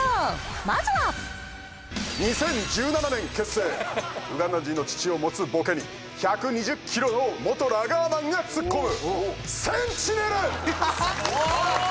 まずは２０１７年結成ウガンダ人の父を持つボケに１２０キロの元ラガーマンがツッコむセンチネル！